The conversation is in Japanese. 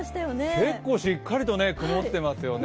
結構しっかりと曇ってますよね。